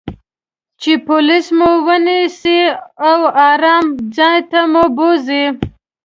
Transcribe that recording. چې پولیس مو و نییسي او آرام ځای ته مو بوزي.